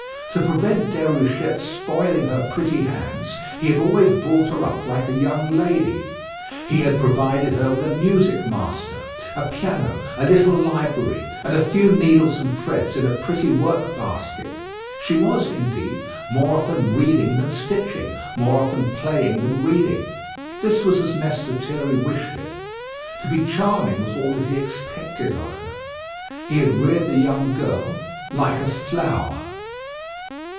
To prevent Déruchette spoiling her pretty hands he had always brought her up like a young lady; he had provided her with a music master, a piano, a little library, and a few needles and threads in a pretty work basket. She was, indeed, more often reading than stitching; more often playing than reading. This was as Mess Lethierry wished it. To be charming was all that he expected of her. He had reared the young girl like a flower.